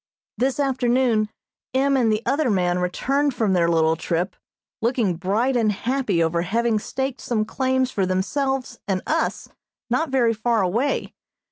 This afternoon M. and the other man returned from their little trip, looking bright and happy over having staked some claims for themselves and us not very far away.